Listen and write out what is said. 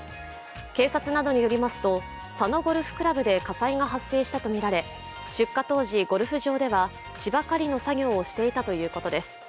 警察などによりますと、佐野ゴルフクラブで火災が発生したとみられ、出火当時ゴルフ場では芝刈りの作業をしていたということです。